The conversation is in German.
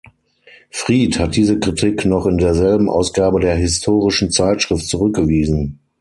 Fried hat diese Kritik noch in derselben Ausgabe der "Historischen Zeitschrift" zurückgewiesen.